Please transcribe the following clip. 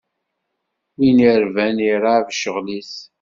Win irban irab ccɣel-is.